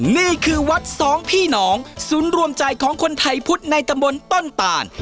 นี่คือวัดสองพี่น้องศูนย์รวมใจของคนไทยพุทธในตำบลต้นต่าน